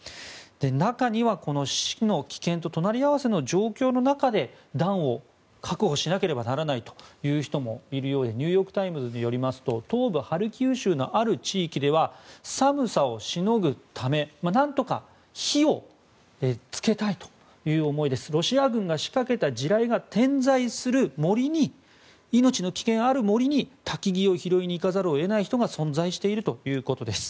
中には、死の危険と隣り合わせの状況の中で暖を確保しなければならないという人もいるようでニューヨーク・タイムズによりますと東部ハルキウ州のある地域では寒さをしのぐため何とか火を付けたいという思いでロシア軍が仕掛けた地雷が点在する森に命の危険がある森に薪を拾いに行かざるを得ない人が存在しているということです。